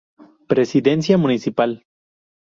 Presidencia municipal